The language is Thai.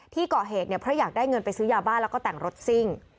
ที่ก่อเหตุเนี่ยเพราะอยากได้เงินไปซื้อยาบ้านแล้วก็แต่งรถซิ่ง